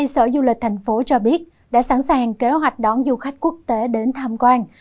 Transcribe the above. sở du lịch tp hcm cho biết đã sẵn sàng kế hoạch đón du khách quốc tế đến thăm quan